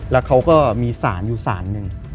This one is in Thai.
แล้วเขาก็มีสารอยู่สารหนึ่ง